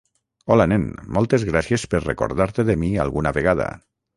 Hola nen, moltes gràcies per recordar-te de mi alguna vegada.